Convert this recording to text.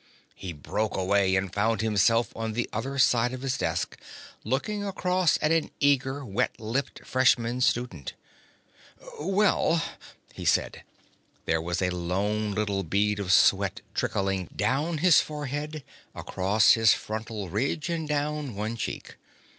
He broke away, found himself on the other side of his desk, looking across at an eager, wet lipped freshman student. "Well," he said. There was a lone little bead of sweat trickling down his forehead, across his frontal ridge and down one cheek.